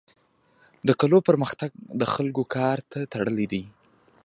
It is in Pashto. د کلو پرمختګ د خلکو کار ته تړلی دی.